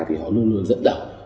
thì họ luôn luôn dẫn đầu